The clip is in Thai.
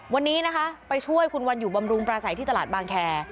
วันนี้นะคะไปช่วยคุณวันอยู่บำรุงปราศัยที่ตลาดบางแคร์